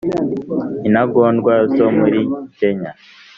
intagondwa zo muri kenya